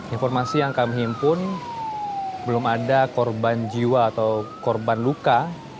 informasi yang kami himpun belum ada korban jiwa atau korban luka